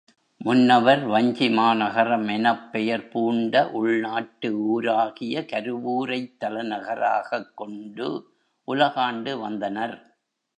முன்னவர், வஞ்சிமா நகரம் எனப் பெயர் பூண்ட உள்நாட்டு ஊராகிய கருவூரைத் தலைநகராகக் கொண்டு உலகாண்டு வந்தனர்.